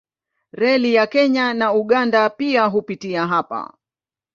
Reli ya Kenya na Uganda pia hupitia hapa.